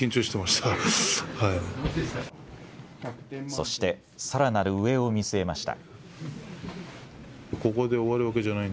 そしてさらなる上を見据えました。